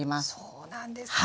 そうなんですか。